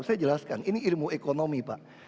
saya jelaskan ini ilmu ekonomi pak